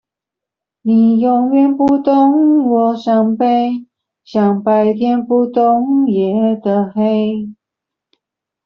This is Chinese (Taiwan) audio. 你永遠不懂我傷悲，像白天不懂夜的黑